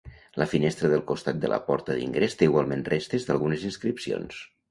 La finestra del costat de la porta d'ingrés té igualment restes d'algunes inscripcions.